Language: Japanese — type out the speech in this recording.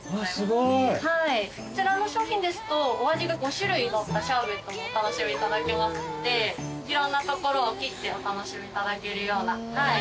こちらの商品ですとお味が５種類のったシャーベットお楽しみいただけますのでいろんな所を切ってお楽しみいただけるようなはい。